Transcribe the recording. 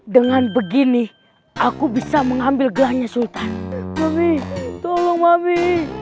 dengan begini aku bisa mengambil gelangnya sultan mami tolong mabi